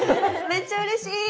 めっちゃうれしい！